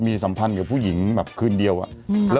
แต่ไม่แน่ใจว่าตอนนี้ทางนั้นอาจจะมีเขาเรียกว่าอะไรอ่ะ